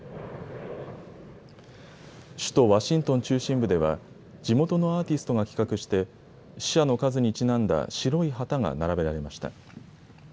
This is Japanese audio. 首都ワシントン中心部では、地元のアーティストが企画して、死者の数にちなんだ白い旗が並べられました。